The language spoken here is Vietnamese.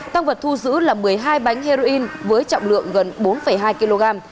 tăng vật thu giữ là một mươi hai bánh heroin với trọng lượng gần bốn hai kg